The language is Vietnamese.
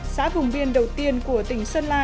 xã vùng biên đầu tiên của tỉnh sơn la